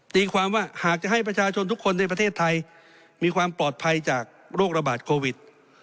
ตีความว่าหากจะให้ประชาชนทุกคนในประเทศไทยมีความปลอดภัยจากโรคระบาดโควิด